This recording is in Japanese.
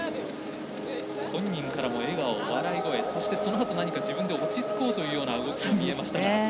本人からも笑顔、笑い声そして、そのあと自分で落ち着こうかというような動きにも見えました。